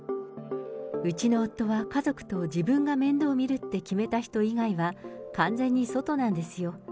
うちの夫は家族と自分が面倒見るって決めた人以外は完全に外なんですよ。